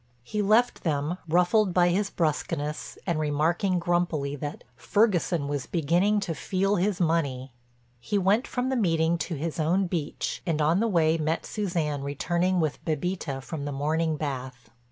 He left them, ruffled by his brusqueness and remarking grumpily that "Ferguson was beginning to feel his money." He went from the meeting to his own beach and on the way met Suzanne returning with Bébita from the morning bath.